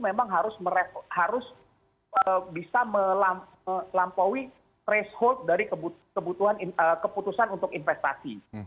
memang harus bisa melampaui threshold dari keputusan untuk investasi